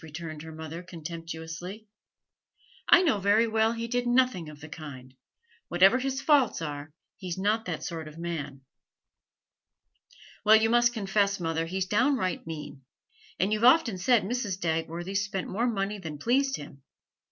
returned her mother, contemptuously. 'I know very well he did nothing of the kind; whatever his faults are, he's not that sort of man.' 'Well, you must confess, mother, he's downright mean; and you've often enough said Mrs. Dagworthy spent more money than pleased him.